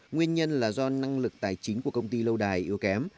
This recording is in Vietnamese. nguyên nhân là do năng lực tài chính của công ty lâu đài yếu kém